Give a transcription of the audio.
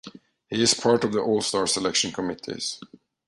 He is part of the All Star selection committees.